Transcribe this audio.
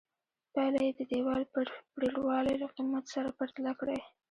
پایله یې د دیوال پرېړوالي له قېمت سره پرتله کړئ.